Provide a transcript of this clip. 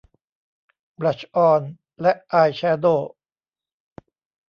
บลัชออน และอายแชโดว์